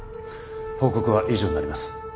報告は以上になります。